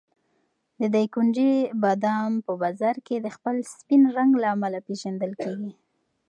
د دایکنډي بادام په بازار کې د خپل سپین رنګ له امله پېژندل کېږي.